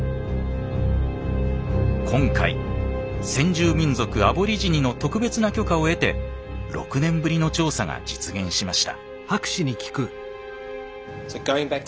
今回先住民族アボリジニの特別な許可を得て６年ぶりの調査が実現しました。